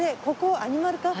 アニマルカフェ。